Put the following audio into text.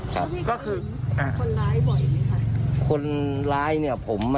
ก็คือคนร้ายบ่อยใช่ไหมค่ะ